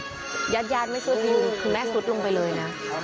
ที่ถ้ายาดไม่สุดแม่สุดลงไปเลยนะ